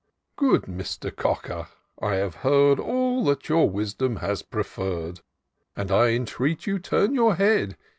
"* Good Mister Cocker^ I have heard All that your wisdom has preferr'd ; And I entreat you turn your head.